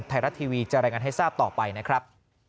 ไทยรัฐทีวีจะรายงานให้ทราบต่อไปนะครับ